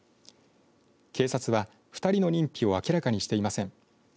警察は２人の認否を明らかにしていません。